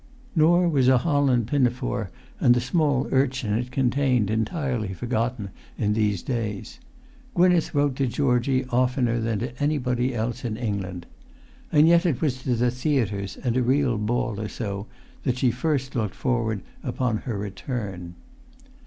Nor was a holland pinafore and the small urchin it contained entirely forgotten in these days. Gwynneth wrote to Georgie oftener than to anybody else in England. And yet it was to the theatres and a real ball or so that she first looked forward upon her return.